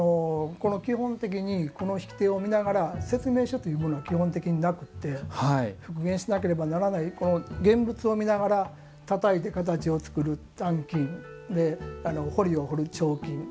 基本的にこの引き手を見ながら説明書というものは基本的になくて復元しなければならない現物を見ながらたたいて形を作る鍛金彫りを彫る彫金。